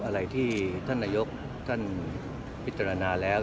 อะไรที่ท่านนายกท่านพิจารณาแล้ว